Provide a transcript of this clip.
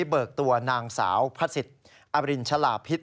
เบิกตัวนางสาวพระศิษย์อรินชะลาพิษ